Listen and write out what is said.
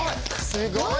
すごい！